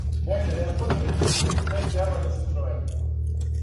Војне реформе међутим тек треба да се спроведу.